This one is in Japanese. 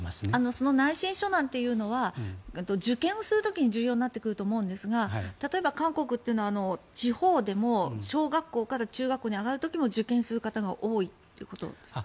その内申書なんていうのは受験をする時に重要になってくると思うんですが例えば韓国というのは地方でも小学校から中学校に上がる時も、受験する方が多いということですか？